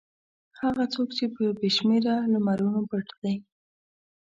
هغه څوک چې په بې شمېره لمرونو پټ دی.